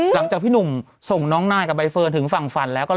พี่หนุ่มส่งน้องนายกับใบเฟิร์นถึงฝั่งฝันแล้วก็